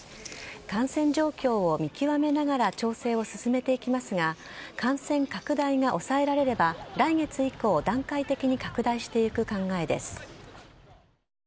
感染状況を見極めながら調整を進めていきますが感染拡大が抑えられれば来月以降段階的に拡大していく考えです。